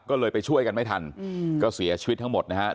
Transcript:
ก็เลยไปช่วยกันไม่ทันก็เสียชีวิตทั้งหมดนะครับ